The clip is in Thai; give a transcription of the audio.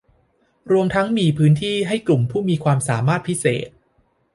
รวมทั้งมีพื้นที่ให้กลุ่มผู้มีความสามารถพิเศษ